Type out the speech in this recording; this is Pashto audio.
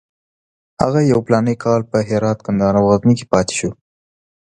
هغه یو فلاني کال په هرات، کندهار او غزني کې پاتې شو.